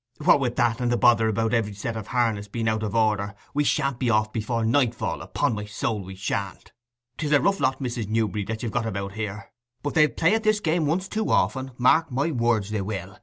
What with that, and the bother about every set of harness being out of order, we shan't be off before nightfall—upon my soul we shan't. 'Tis a rough lot, Mrs. Newberry, that you've got about you here; but they'll play at this game once too often, mark my words they will!